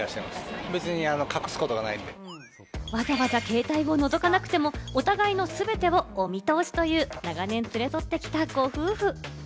わざわざ携帯を覗かなくても、お互いのすべてをお見通しという長年連れ添ってきたご夫婦。